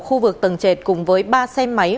khu vực tầng trệt cùng với ba xe máy